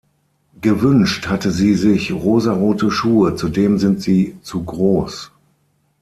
Gewünscht hatte sie sich rosarote Schuhe, zudem sind sie zu groß.